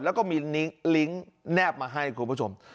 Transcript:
แล้วก็มีลิงก์แนบมาให้คุณผู้ชม